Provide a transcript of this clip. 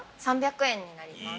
◆３００円になります。